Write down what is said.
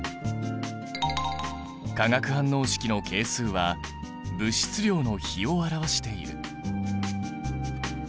化学反応式の係数は物質量の比を表している。